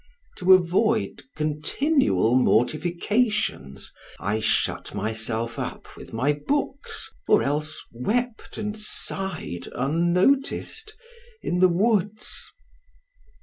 To avoid continual mortifications, I shut myself up with my books, or else wept and sighed unnoticed in the woods.